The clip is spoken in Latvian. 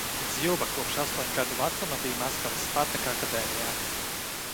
"Dzjuba kopš astoņu gadu vecuma bija Maskavas "Spartaka" akadēmijā."